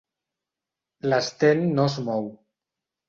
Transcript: L'Sten no es mou.